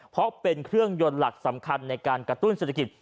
เพราะเป็นเครื่องยนต์หลักสำคัญในการกระตุ้นเศรษฐกิจ